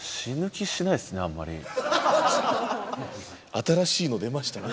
新しいの出ましたね。